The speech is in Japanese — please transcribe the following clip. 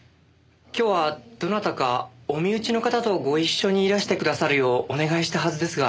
今日はどなたかお身内の方とご一緒にいらしてくださるようお願いしたはずですが。